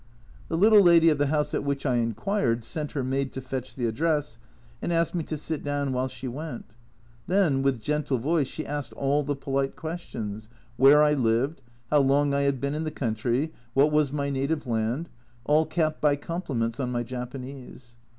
The little lady of the house at which I inquired sent her maid to fetch the address, and asked me to sit down while she went. Then, with gentle voice, she asked all the polite questions where I lived? how long I had been in the country ? what was my native land ? All capped by compliments on my Japanese.